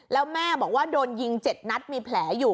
แล้วแม่บอกว่าโดนยิง๗นัดมีแผลอยู่